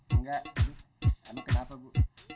enggak tapi kamu kenapa bu